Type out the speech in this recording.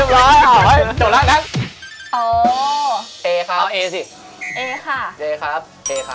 เรียบร้อยโอ้ยจบแล้วกัน